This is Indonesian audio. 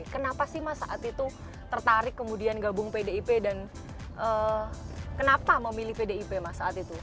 kenapa sih mas saat itu tertarik kemudian gabung pdip dan kenapa memilih pdip mas saat itu